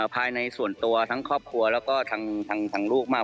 ภายในส่วนตัวทั้งครอบครัวแล้วก็ทางลูกมาก